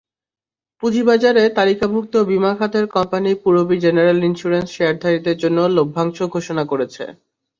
পুঁজিবাজারে তালিকাভুক্ত বিমা খাতের কোম্পানি পূরবী জেনারেল ইনস্যুরেন্স শেয়ারধারীদের জন্য লভ্যাংশ ঘোষণা করেছে।